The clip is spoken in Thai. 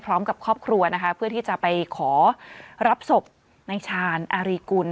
ครอบครัวนะคะเพื่อที่จะไปขอรับศพในชาญอารีกุล